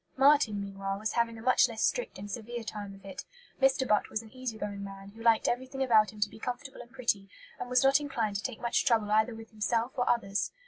Marten, meanwhile, was having a much less strict and severe time of it. Mr. Butt was an easy going man, who liked everything about him to be comfortable and pretty, and was not inclined to take much trouble either with himself or others.